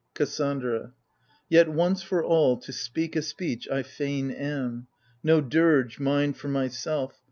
KASSANDRA. Yet once for all, to speak a speech, I fain am : No dirge, mine for myself